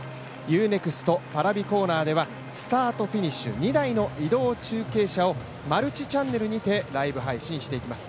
Ｕ−ＮＥＸＴ・Ｐａｒａｖｉコーナーではスタート・フィニッシュ２台の移動中継車をマルチチャンネルにてライブ配信していきます。